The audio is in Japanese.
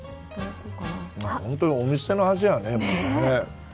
本当にお店の味だね。